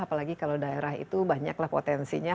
apalagi kalau daerah itu banyaklah potensinya